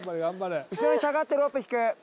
後ろに下がってロープ引く。